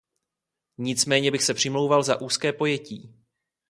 Nicméně bych se přimlouval za úzké pojetí.